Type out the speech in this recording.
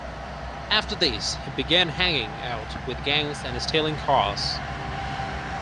After this, he began hanging out with gangs and stealing cars.